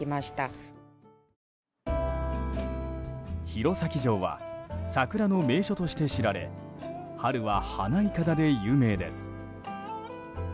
弘前城は桜の名所として知られ春は、花いかだで有名です。